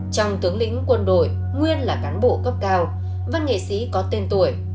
trong tướng lĩnh quân đội nguyên là cán bộ cấp cao văn nghệ sĩ có tên tuổi